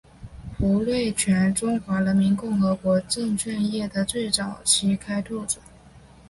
胡瑞荃中华人民共和国证券业的早期开拓者。